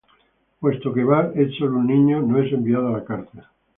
Puesto que Bart es solo un niño, no es enviado a la cárcel.